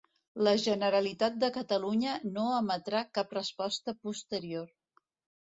La Generalitat de Catalunya no emetrà cap resposta posterior.